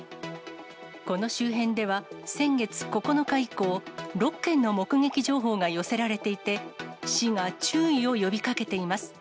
この周辺では、先月９日以降、６件の目撃情報が寄せられていて、市が注意を呼びかけています。